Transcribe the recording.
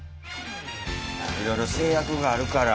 いろいろ制約があるから。